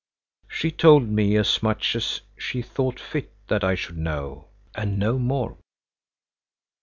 She told me as much as she thought it fit that I should know, and no more!